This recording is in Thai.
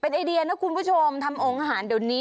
ไอเดียนะคุณผู้ชมทำองค์อาหารเดี๋ยวนี้